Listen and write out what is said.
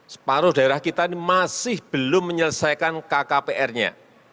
separuh daerah kita ini masih belum menyelesaikan kkpr nya